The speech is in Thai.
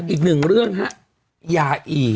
อีกหนึ่งเรื่องฮะ